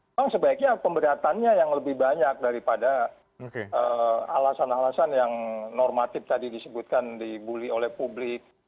memang sebaiknya pemberatannya yang lebih banyak daripada alasan alasan yang normatif tadi disebutkan dibully oleh publik